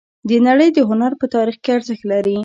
د نړۍ د هنر په تاریخ کې ارزښت لري